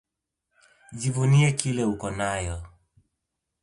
Jivunie kile uko nakyo